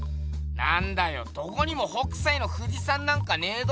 なんだよどこにも北斎の富士山なんかねぇど。